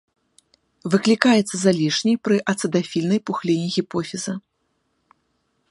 Выклікаецца залішняй пры ацыдафільнай пухліне гіпофіза.